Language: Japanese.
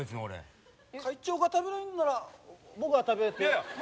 会長が食べないんなら僕が食べて。